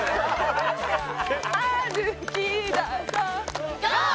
「歩きだそぅ」